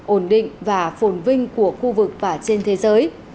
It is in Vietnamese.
ổn định và phồn vinh của khu vực và trên thế giới